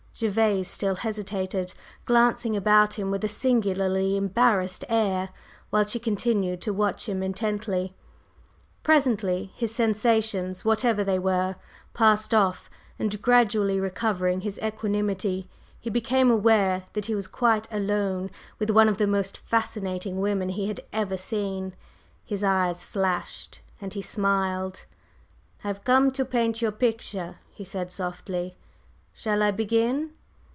Gervase still hesitated, glancing about him with a singularly embarrassed air, while she continued to watch him intently. Presently his sensations, whatever they were, passed off, and gradually recovering his equanimity, he became aware that he was quite alone with one of the most fascinating women he had ever seen. His eyes flashed, and he smiled. "I have come to paint your picture," he said softly. "Shall I begin?"